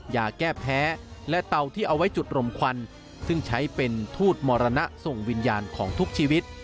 ยาแก้แพ้และเตาที่เอาไว้จุดรมควันซึ่งใช้เป็นทูตมรณะส่งวิญญาณของทุกชีวิต